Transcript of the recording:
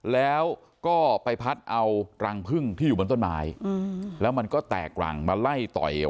แล้วก็ไปพัดเอารังพึ่งที่อยู่บนต้นไม้แล้วมันก็แตกรังมาไล่ต่อย